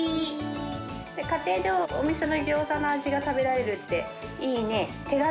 家庭でお店のギョーザの味が食べられるっていいね。